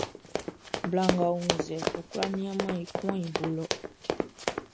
Bla ngʼɔ wunnzɛʼn, ɔ kwlá nianmɛn i kuanʼn i bo lɔ.